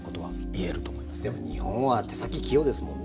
でも日本は手先器用ですもんね。